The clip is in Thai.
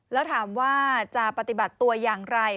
แล้วถามว่าจะปฏิบัติตัวอย่างไร